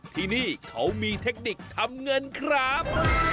ที่นี่เขามีเทคนิคทำเงินครับ